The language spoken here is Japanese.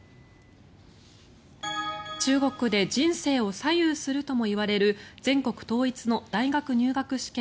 中国で人生を左右するともいわれる全国統一の大学入学試験